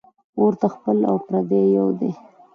اور ته خپل او پردي یو دي